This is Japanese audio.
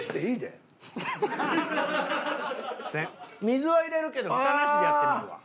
水は入れるけど蓋なしでやってみるわ。